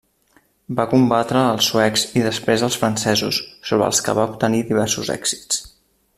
Va combatre els suecs i després als francesos, sobre els que va obtenir diversos èxits.